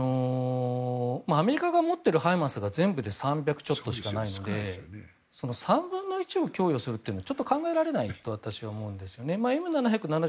アメリカが持っているハイマースが全部で３００ちょっとしかないので３分の１を供与するというのは私は考えられないと思うんですよね。